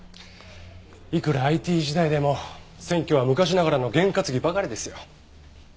いくらＩＴ時代でも選挙は昔ながらの験担ぎばかりですよ。